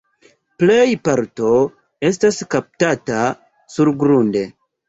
Plej parto estas kaptata surgrunde.